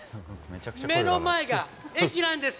目の前が駅なんです。